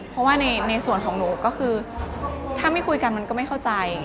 เพราะว่าในส่วนของหนูก็คือถ้าไม่คุยกันมันก็ไม่เข้าใจ